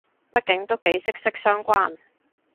畢竟都幾息息相關